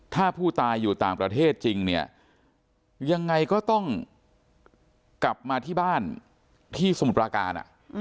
ถ้าผู้ตายอยู่ต่างประเทศจริงเนี่ยยังไงก็ต้องกลับมาที่บ้านที่สมุทรปราการ